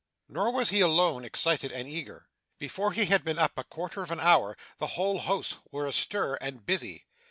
Nor was he alone excited and eager. Before he had been up a quarter of an hour the whole house were astir and busy.